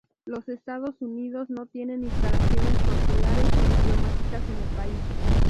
Los Estados Unidos no tienen instalaciones consulares o diplomáticas en el país.